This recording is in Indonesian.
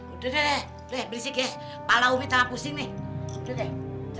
udah deh deh berisik ya pahala umi tengah pusing nih